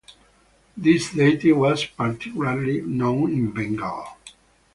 This deity was particularly known in Bengal.